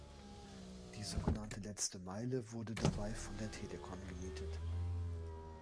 Die so genannte Letzte Meile wurde dabei von der Deutschen Telekom gemietet.